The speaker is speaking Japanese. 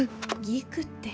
ぎくって。